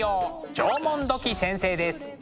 縄文土器先生です。